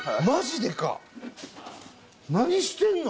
何してんの？